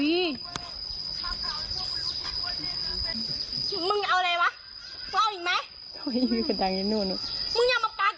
อี้นี่อุ๊ย